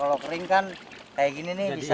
kalau kering kan kayak gini nih bisa